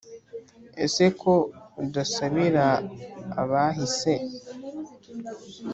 ese ko udasabira abahise